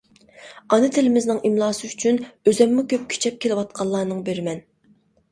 ئانا تىلىمىزنىڭ ئىملاسى ئۈچۈن ئۆزۈممۇ كۆپ كۈچەپ كېلىۋاتقانلارنىڭ بىرىمەن.